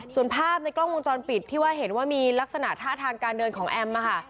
ส่วนภาพในกล้องวงจรปิดที่ว่าเห็นว่ามีลักษณะท่าทางการเดินของแอม